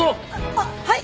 あっはい！